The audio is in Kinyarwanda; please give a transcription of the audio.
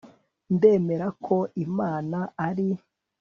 ndemera ko imana ari